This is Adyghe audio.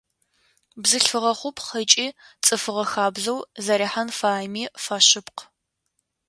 Бзылъфыгъэ хъупхъ ыкӏи цӏыфыгъэ хабзэу зэрихьэн фаеми фэшъыпкъ.